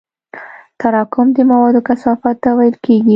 تراکم د موادو کثافت ته ویل کېږي.